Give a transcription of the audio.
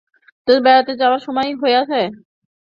তোমার বেড়াইতে যাইবার সময় হইয়াছে।